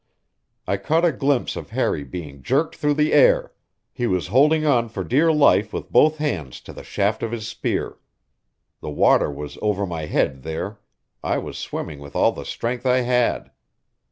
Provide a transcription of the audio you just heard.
I caught a glimpse of Harry being jerked through the air; he was holding on for dear life with both hands to the shaft of his spear. The water was over my head there; I was swimming with all the strength I had.